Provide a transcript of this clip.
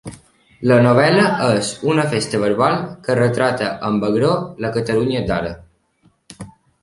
La novel·la és una festa verbal que retrata amb agror la Catalunya d'ara.